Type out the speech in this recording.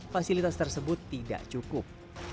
fasilitas tersebut tidak cukup